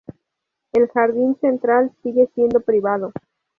El jardín central sigue siendo privado.